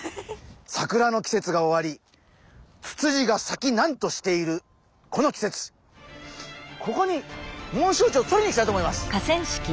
桜の季節が終わりツツジがさきなんとしているこの季節ここにモンシロチョウをとりにいきたいと思います。